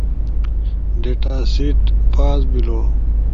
ڈیٹا سیٹ پاس بیلو